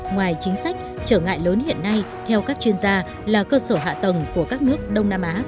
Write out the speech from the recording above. ngoài chính sách trở ngại lớn hiện nay theo các chuyên gia là cơ sở hạ tầng của các nước đông nam á